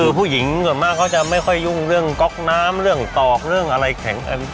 คือผู้หญิงส่วนมากเขาจะไม่ค่อยยุ่งเรื่องก๊อกน้ำเรื่องตอกเรื่องอะไรแข็ง